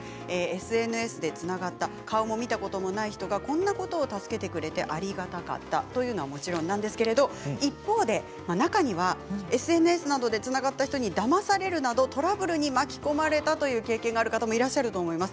ＳＮＳでつながった顔も見たことない人がこんなことを助けてくれてありがたかったというのはもちろんなんですけれど一方で中にはＳＮＳなどでつながった人に、だまされるなどトラブルに巻き込まれたという経験がある方もいらっしゃると思います。